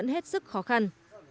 hết sức khó khăn